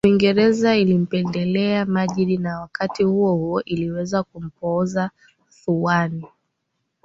Uingereza ilimpendelea Majid na wakati huohuo iliweza kumpoza Thuwain